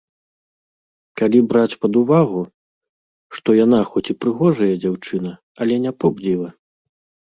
Калі браць пад увагу, што яна хоць і прыгожая дзяўчына, але не поп-дзіва.